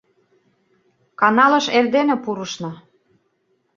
Каналыш эрдене пурышна.